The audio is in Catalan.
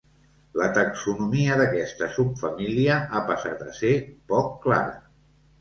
La taxonomia d'aquesta subfamília ha passat a ser poc clara.